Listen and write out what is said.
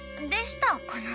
「でした」か